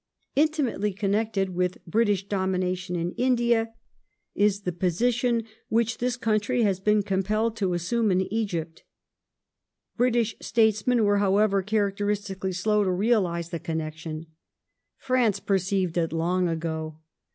Intimately connected with British Dominion in India is the Egypt position which this country has been compelled to assume in Egypt. British statesmen were, however, characteristically slow to realize the 12 INTRODUCTORY [1815 connection. France perceived it long ago.